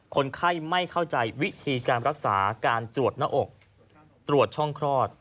คนไข้ไม่เข้าใจวิธีการรักษาการตรวจหน้าอกตรวจช่องคลอด